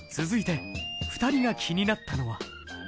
続いて、２人が気になったのは？